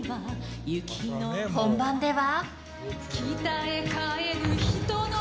本番では。